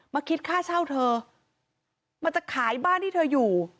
คิดค่าเช่าเธอมาจะขายบ้านที่เธออยู่